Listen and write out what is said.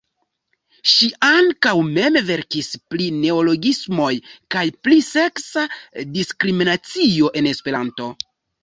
Ŝi ankaŭ mem verkis pri "neologismoj" kaj pri "seksa diskriminacio" en Esperanto.